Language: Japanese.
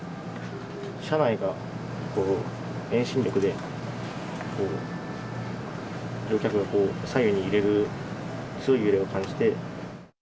車内が、遠心力で乗客が左右に揺れる、強い揺れを感じて。